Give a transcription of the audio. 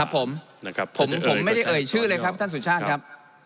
ผมผมไม่ได้เอ่ยชื่อเลยครับท่านสุชาติครับ